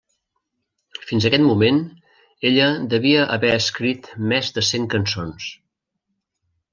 Fins aquest moment, ella devia haver escrit més de cent cançons.